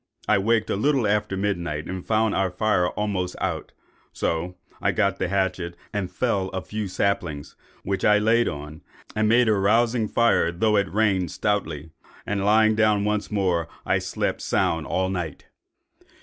I waked a little after midnight and found our fire almost out; so I got the hatchet and felled a few saplings, which I laid on, and made a rousing fire, though it rained stoutly; and lying down once more, I slept sound all night.